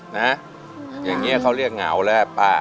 แบบนี้ก็เรียกเหงาแหละ